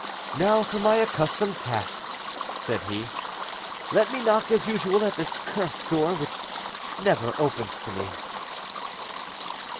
"Now for my accustomed task," said he; "let me knock as usual at this cursed door which never opens to me."